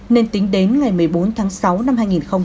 nên tính đến ngày một mươi bốn tháng sáu năm hai nghìn một mươi chín